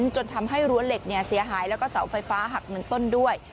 จนทำให้รั้วเหล็กเสียหายแล้วก็เสาไฟฟ้าหักหนึ่งต้นด้วย